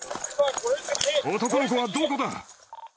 男の子はどこだ！